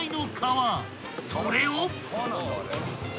［それを］